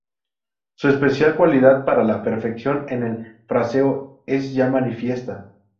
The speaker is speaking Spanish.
Su especial cualidad para la perfección en el fraseo es ya manifiesta.